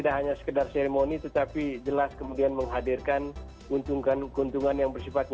dari kinesis utama indonesia seperti b fandio posisionalitas yangatk relevan ini tapi jadi setingguhkan yg dibuat yang lebih mereka